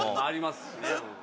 ありますしね。